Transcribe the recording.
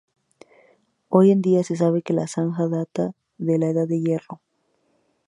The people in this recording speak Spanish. Hoy en día se sabe que la zanja data de la Edad del Hierro.